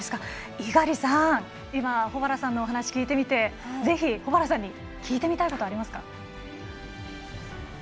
猪狩さん保原さんのお話を聞いてみてぜひ、保原さんに聞いてみたいことありますか？